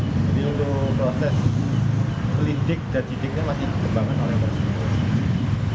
jadi untuk proses pelidik dan jidiknya masih kekembangan oleh proses